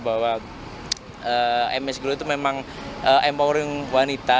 bahwa ms grow itu memang empowering wanita